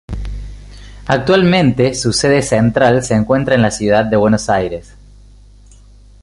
Actualmente su sede central se encuentra en la ciudad de Buenos Aires.